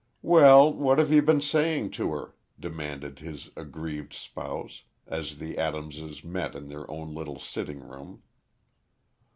"Well, what you been saying to her?" demanded his aggrieved spouse, as the Adamses met in their own little sitting room.